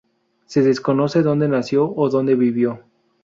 Se desconoce dónde nació o dónde vivió.